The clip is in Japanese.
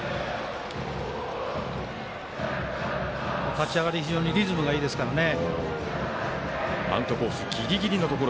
立ち上がりリズムがいいですからね。